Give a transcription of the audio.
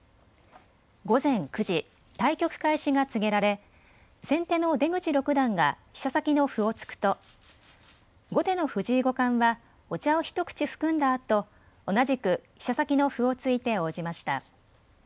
午前９時、対局開始が告げられ先手の出口六段が飛車先の歩を突くと後手の藤井五冠はお茶を一口含んだあと同じく飛車先の歩を突いて応じました。